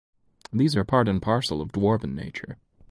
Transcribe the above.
These are part and parcel of dwarven nature.